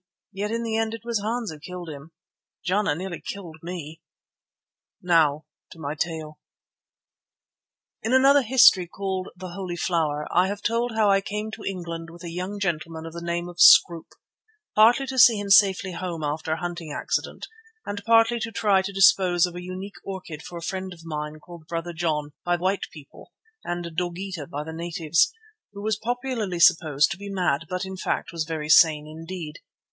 Yet in the end it was Hans who killed him. Jana nearly killed me! Now to my tale. In another history, called "The Holy Flower," I have told how I came to England with a young gentleman of the name of Scroope, partly to see him safely home after a hunting accident, and partly to try to dispose of a unique orchid for a friend of mine called Brother John by the white people, and Dogeetah by the natives, who was popularly supposed to be mad, but, in fact, was very sane indeed.